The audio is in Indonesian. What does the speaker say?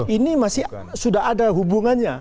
ini masih sudah ada hubungannya